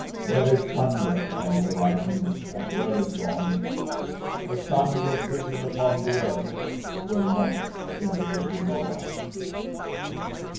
There is thunder on the horizon as well as dawn. The sun was risen upon the earth when Lot entered into Zoar.